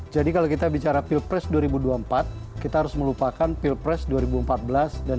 jadi kalau kita bicara pilpres dua ribu dua puluh empat kita harus melupakan pilpres dua ribu empat belas dan dua ribu sembilan belas